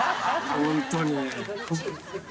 本当に。